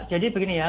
jadi begini ya